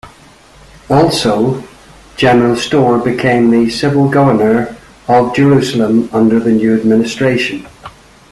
Also, General Storr became the civil governor of Jerusalem under the new administration.